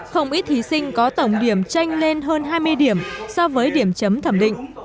không ít thí sinh có tổng điểm tranh lên hơn hai mươi điểm so với điểm chấm thẩm định